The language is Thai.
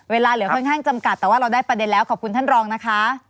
เวลาเหลือค่อนข้างจำกัดแต่ว่าเราได้ประเด็นแล้วขอบคุณท่านรองนะคะ